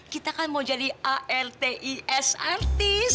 kita kan mau jadi artis artis